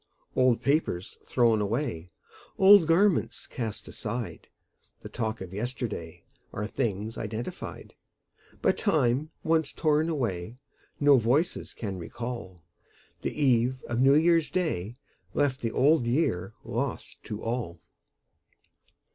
Old papers thrown away, Old garments cast aside, The talk of yesterday, Are things identified; But time once torn away No voices can recall: The eve of New Year's Day Left the Old Year lost to all.